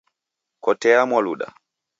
Kotea Mwaluda